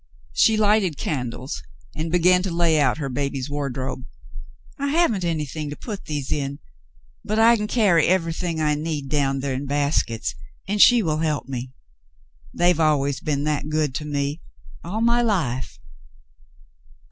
She lighted candles and began to lay out her baby's wardrobe. "I haven't anything to put these in, but I can carry everything I need down there in baskets, and she will help me. They've always been that good to me — all my life."